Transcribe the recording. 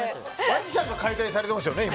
マジシャンが解体されてますよね？